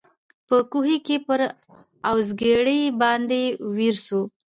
په کوهي کي پر اوزګړي باندي ویر سو